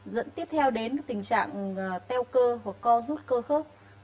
dẫn tiếp theo đến tình trạng teo cơ hoặc co rút cơ khớp